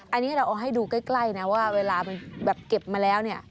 อันนี้เราเอาให้ดูใกล้นะว่าเวลามันแบบเก็บมาแล้วเนี่ย